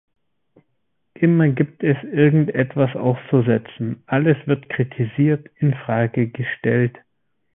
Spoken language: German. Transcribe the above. Immer gibt es irgend etwas auszusetzen, alles wird kritisiert, in Frage gestellt.